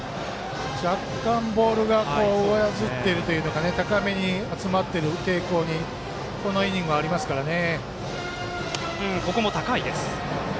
若干、ボールが上ずっているというか高めに集まっている傾向にこのイニングはありますからね。